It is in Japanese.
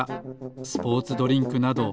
スポーツドリンクなど。